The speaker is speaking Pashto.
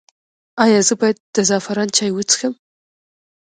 ایا زه باید د زعفران چای وڅښم؟